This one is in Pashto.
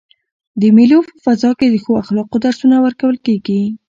د مېلو په فضا کښي د ښو اخلاقو درسونه ورکول کیږي.